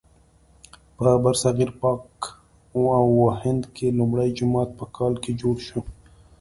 په برصغیر پاک و هند کې لومړی جومات په کال کې جوړ شو.